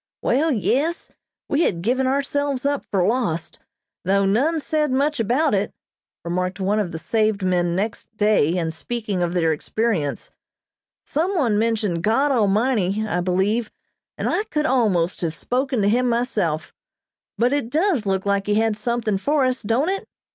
"Wall, yes, we had given ourselves up for lost, though none said much about it," remarked one of the saved men next day, in speaking of their experience. "Some one mentioned God Almighty, I believe, and I could almost have spoken to Him myself, but it does look like He had done something for us, don't it?"